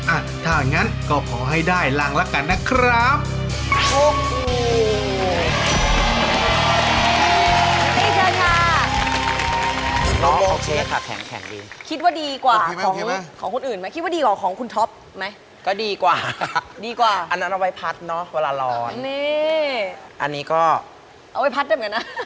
อ่ะถ้างั้นก็ขอให้ได้รังละกันนะครับ